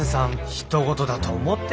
ひと事だと思って。